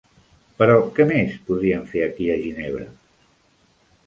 Però què més podrien fer aquí a Ginebra?